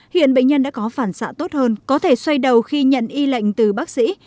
hiện bệnh nhân đã có phản xạ tốt hơn có thể xoay đầu khi nhận y lệnh từ bác sĩ